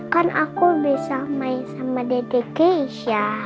kan aku bisa main sama dedek keisha